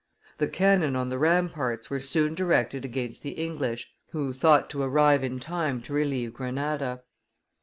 The cannon on the ramparts were soon directed against the English, who thought to arrive in time to relieve Grenada.